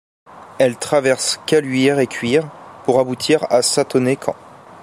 Elle traverse Caluire-et-Cuire pour aboutir à Sathonay Camp.